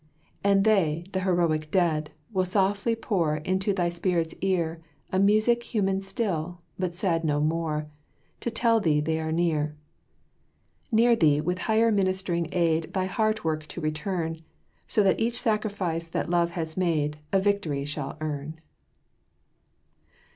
And they, "the heroic dead," will softly pour Into thy spirit's ear A music human still, but sad no more, To tell thee they are near Near thee with higher ministering aid Thy heart work to return, So that each sacrifice that love has made A victory shall earn!